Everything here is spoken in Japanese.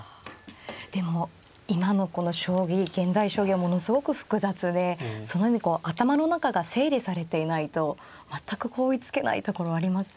でも今のこの将棋現代将棋はものすごく複雑で頭の中が整理されていないと全く追いつけないところありませんか？